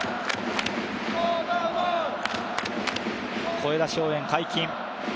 声出し応援、解禁。